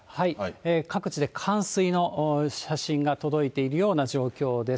各地で冠水の写真が届いているような状況です。